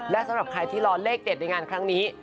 และสำหรับใครที่รอเลขเด็ดในงานครั้งนี้